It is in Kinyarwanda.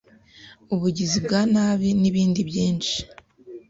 ubugizi bwa nabi n’ibindi byinshi